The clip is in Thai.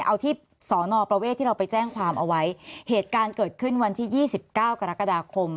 เอาที่สอนอประเวทที่เราไปแจ้งความเอาไว้เหตุการณ์เกิดขึ้นวันที่ยี่สิบเก้ากรกฎาคม